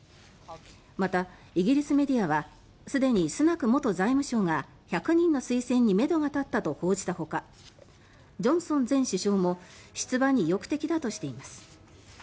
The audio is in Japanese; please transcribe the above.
また、イギリスメディアはすでにスナク元財務相が１００人の推薦にめどが立ったと報じたほかジョンソン前首相も出馬に意欲的だとしています。